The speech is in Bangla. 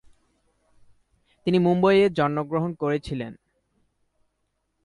তিনি মুম্বইয়ে জন্মগ্রহণ করেছিলেন।